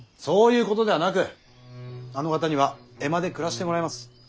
そういうことではなくあの方には江間で暮らしてもらいます。